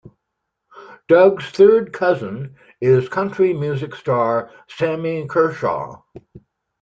Doug's third cousin is country music star Sammy Kershaw.